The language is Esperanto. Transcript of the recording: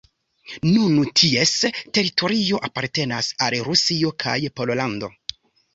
Nun ties teritorio apartenas al Rusio kaj Pollando.